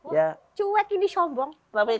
wah cuek ini sombong